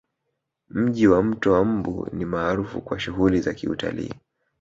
Mji wa mto wa mbu ni maarufu kwa shughuli za Kiutalii